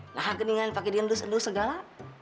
lahan kedinginan pake diendus endus segala